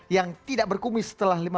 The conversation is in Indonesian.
yang tidak berkumis setelah